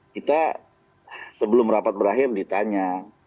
kita sebelum rapat berakhir ditanya